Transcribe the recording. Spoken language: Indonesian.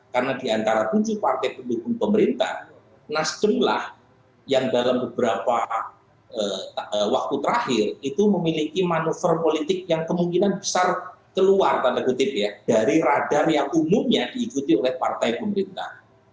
karena diantara tujuh partai pendukung pemerintah nasdem lah yang dalam beberapa waktu terakhir itu memiliki manuver politik yang kemungkinan besar keluar tanda kutip ya dari radar yang umumnya diikuti oleh partai pemerintah